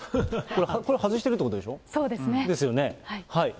これ、外してるってことでしょ。ですよね。